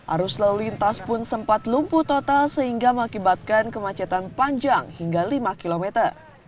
arus lalu lintas pun sempat lumpuh total sehingga mengakibatkan kemacetan panjang hingga lima kilometer